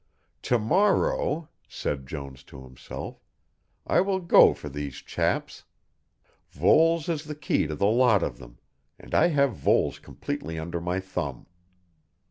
"To morrow," said Jones to himself, "I will go for these chaps. Voles is the key to the lot of them, and I have Voles completely under my thumb."